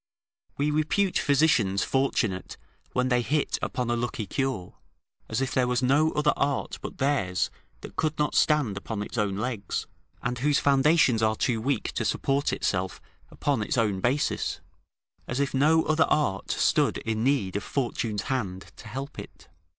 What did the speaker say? We repute physicians fortunate when they hit upon a lucky cure, as if there was no other art but theirs that could not stand upon its own legs, and whose foundations are too weak to support itself upon its own basis; as if no other art stood in need of Fortune's hand to help it.